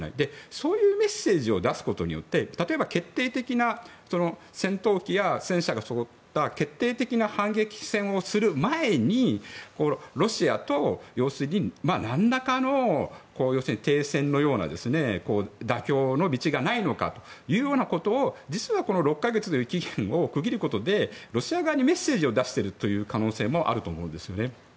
そういうメッセージを出すことによって例えば戦闘機や戦車がそろった決定的な反撃戦をする前にロシアと要するに何らかの停戦のような妥協の道がないのかということを実はこの６か月という期限を区切ることで、ロシア側にメッセージを出している可能性もあると思います。